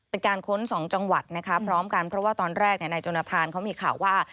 ค้นสองจังหวัดนะคะพร้อมกันเพราะว่าตอนแรกนายจนทานเขามีข่าวว่า